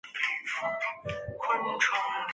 花叶山姜为姜科山姜属下的一个种。